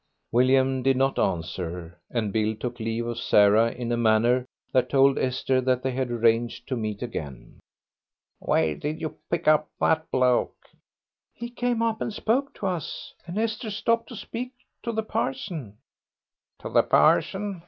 William did not answer, and Bill took leave of Sarah in a manner that told Esther that they had arranged to meet again. "Where did you pick up that bloke?" "He came up and spoke to us, and Esther stopped to speak to the parson." "To the parson.